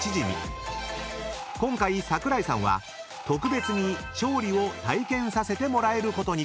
［今回桜井さんは特別に調理を体験させてもらえることに］